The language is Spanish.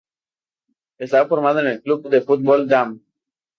Fue formado en el Club de Fútbol Damm.